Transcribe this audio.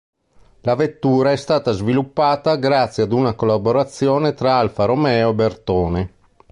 La vettura è stata sviluppata grazie ad una collaborazione tra Alfa Romeo e Bertone.